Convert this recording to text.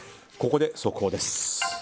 ここで速報です。